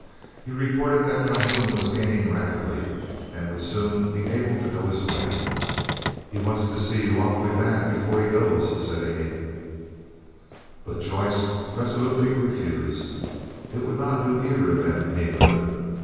He reported that Calhoun was gaining rapidly, and would soon be able to go his way. "He want to see yo' awful bad befo' he goes," said Abe. But Joyce resolutely refused. It would not do either of them any good.